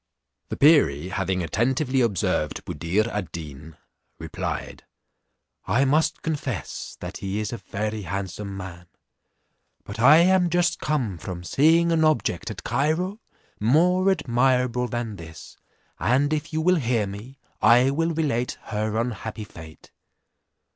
The perie having attentively observed Buddir ad Deen, replied, "I must confess that he is a very handsome man, but I am just come from seeing an objets at Cairo, more admirable than this; and if you will hear me, I will relate her unhappy fate."